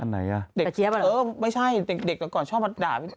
อันไหนจะเจ๊บหรือเออไม่ใช่เด็กก่อนชอบมาด่า